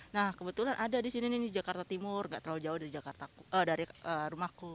nah kebetulan ada di sini nih jakarta timur nggak terlalu jauh dari rumahku